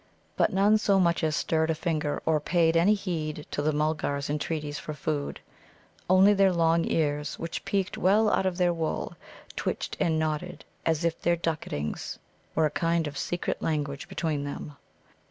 But none so much as stirred a finger or paid any heed to the Mulgars' entreaties for food. Only their long ears, which peaked well out of their wool, twitched and nodded, as if their ducketings were a kind of secret language between them.